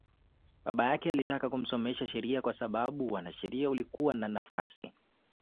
Baba yake alitaka kumsomesha sheria kwa sababu uanasheria ulikuwa na nafasi